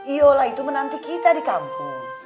iola itu menanti kita di kampung